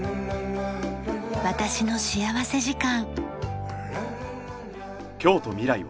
『私の幸福時間』。